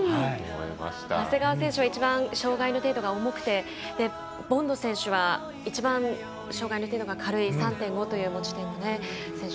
長谷川選手は一番障がいの程度が重くて、ボンド選手は一番障がいの程度が軽い３．５という持ち点の選手。